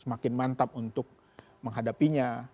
semakin mantap untuk menghadapinya